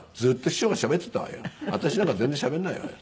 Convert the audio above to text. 「私なんか全然しゃべんないわよ」。